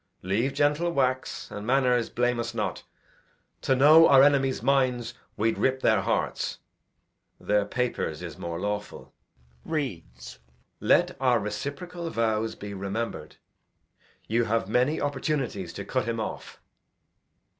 Leave, gentle wax; and, manners, blame us not. To know our enemies' minds, we'ld rip their hearts; Their papers, is more lawful. Reads the letter. 'Let our reciprocal vows be rememb'red. You have many opportunities to cut him off.